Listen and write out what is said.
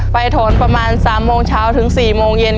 โถนประมาณ๓โมงเช้าถึง๔โมงเย็น